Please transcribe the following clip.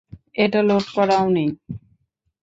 এটা লোড করাও নেই।